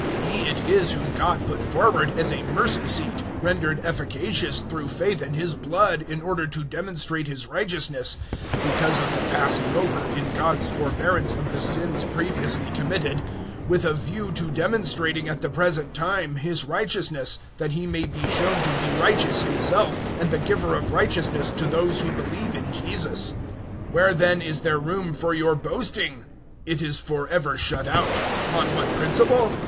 003:025 He it is whom God put forward as a Mercy seat, rendered efficacious through faith in His blood, in order to demonstrate His righteousness because of the passing over, in God's forbearance, of the sins previously committed 003:026 with a view to demonstrating, at the present time, His righteousness, that He may be shown to be righteous Himself, and the giver of righteousness to those who believe in Jesus. 003:027 Where then is there room for your boasting? It is for ever shut out. On what principle?